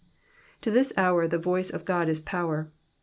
To this hour, the voice of God is power.